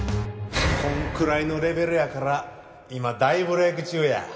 こんぐらいのレベルやから今大ブレーク中や。